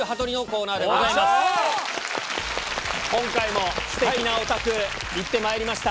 今回もステキなお宅行ってまいりました。